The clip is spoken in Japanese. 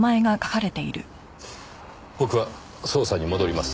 僕は捜査に戻ります。